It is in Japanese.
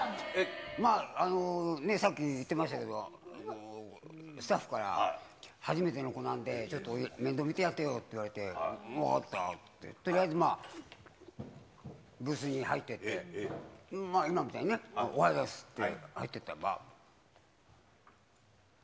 さっき言ってましたけど、スタッフから、初めての子なんで、ちょっと面倒見てやってよって言われて、分かったって言って、とりあえずブースに入っていって、まあ、今みたいにね、おはようございますって入っていったら。